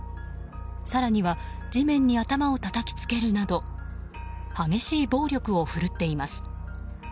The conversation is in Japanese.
更には地面に頭をたたきつけるなど激しい暴力をふるっています。